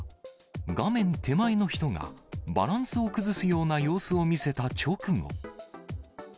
画面手前の人がバランスを崩すような様子を見せた直後。